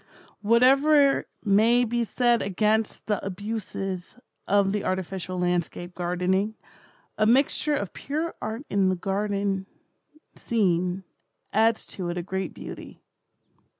Whatever may be said against the abuses of the artificial landscape gardening, a mixture of pure art in a garden scene, adds to it a great beauty.